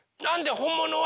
ほんものは？